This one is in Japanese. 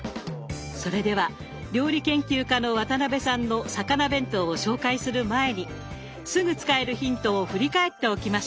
それでは料理研究家の渡辺さんの魚弁当を紹介する前にすぐ使えるヒントを振り返っておきましょう！